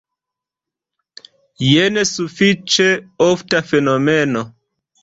Jen sufiĉe ofta fenomeno.